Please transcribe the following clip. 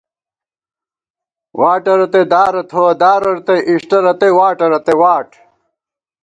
واٹہ رتئ دارہ تھووَہ ، دارہ رتئ اِݭٹہ، رتئ واٹہ رتئ واٹ